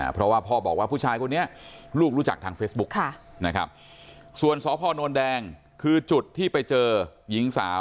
เพราะว่าพ่อบอกว่าผู้ชายคนนี้ลูกรู้จักทางเฟซบุ๊กนะครับส่วนสพนแดงคือจุดที่ไปเจอหญิงสาว